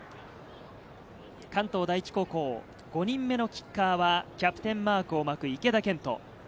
関東第一高校、５人目のキッカーはキャプテンマークを巻く池田健人。